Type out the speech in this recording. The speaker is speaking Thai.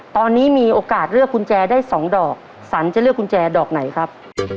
ตอนนี้มีโอกาสเลือกกุญแจได้๒ดอกสันจะเลือกกุญแจดอกไหนครับ